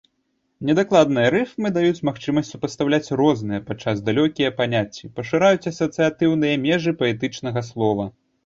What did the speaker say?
Недакладныя рыфмы даюць магчымасць супастаўляць розныя, падчас далёкія паняцці, пашыраюць асацыятыўныя межы паэтычнага слова.